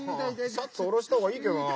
シャツ下ろしたほうがいいけどな。